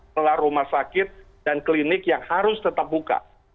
melalui rumah sakit dan klinik yang harus tetap buka